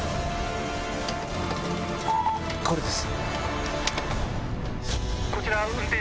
これです。